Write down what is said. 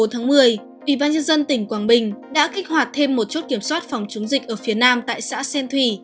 tỉnh quảng bình đã kích hoạt thêm một chốt kiểm soát phòng chống dịch ở phía nam tại xã xen thủy